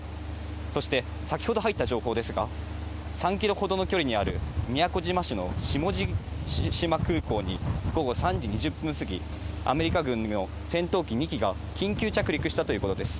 そして、先ほど入った情報ですが、３キロほどの距離にある宮古島市の下地島空港に午後３時２０分過ぎ、アメリカ軍の戦闘機２機が緊急着陸したということです。